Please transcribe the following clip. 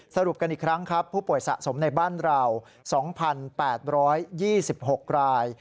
สรุปกันอีกครั้งครับผู้ป่วยสะสมในบ้านเรา๒๘๒๖ราย